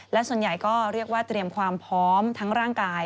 และส่วนใหญ่ก็เรียกว่าเตรียมความพร้อมทั้งร่างกาย